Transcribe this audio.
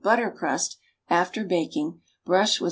10 "butter crust" after baking', brush witli .